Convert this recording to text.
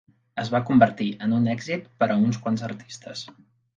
Es va convertir en un èxit per a uns quants artistes.